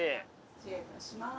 失礼いたします。